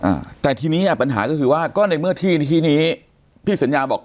อ่าแต่ทีนี้อ่ะปัญหาก็คือว่าก็ในเมื่อที่ที่นี้พี่สัญญาบอก